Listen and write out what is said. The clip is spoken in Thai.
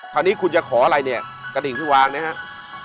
คราวนี้คุณจะขออะไรเนี่ยกระดิ่งที่วางนะครับ